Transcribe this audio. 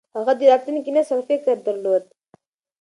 هغه د راتلونکي نسل فکر درلود.